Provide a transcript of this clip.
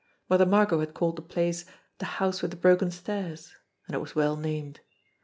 Mother Margot had called the place "the house with the broken stairs," and it was well named!